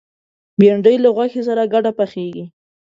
بېنډۍ له غوښې سره ګډه پخېږي